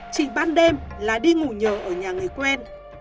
chỉ ban đêm là đi ngủ nhờ ở nhà người quen